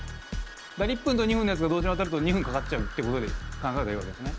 １分と２分のやつが同時に渡ると２分かかっちゃうってことで考えりゃいいわけですね。